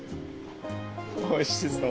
おいしそう。